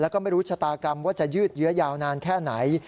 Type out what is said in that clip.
แล้วก็ไม่รู้ชะตากรรมว่าจะยืดเยื้อยาวนานแค่ไหน